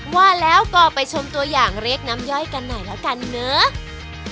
ว่าแล้วก็ไปชมตัวอย่างเรียกน้ำย่อยกันหน่อยแล้วกันเนอะ